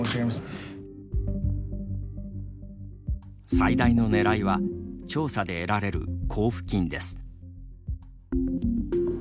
最大のねらいは調査で得られる交付金です。